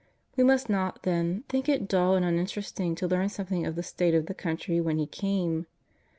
We must not, then, think it dull and unin teresting to learn something of the state of the country when He came.